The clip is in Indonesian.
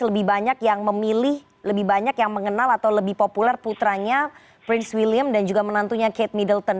lebih banyak yang memilih lebih banyak yang mengenal atau lebih populer putranya prince william dan juga menantunya kate middleton